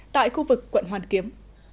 tại khu vực quận hoàn kiếm